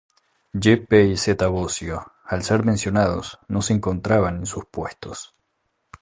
Gepe y Zeta Bosio al ser mencionados no se encontraban en sus puestos.